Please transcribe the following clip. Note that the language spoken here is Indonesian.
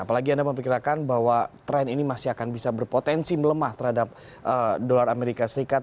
apalagi anda memperkirakan bahwa tren ini masih akan bisa berpotensi melemah terhadap dolar amerika serikat